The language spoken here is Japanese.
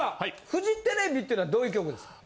フジテレビってのはどういう局ですか？